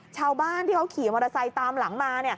ชาวบ้านที่เขาขี่มอเตอร์ไซค์ตามหลังมา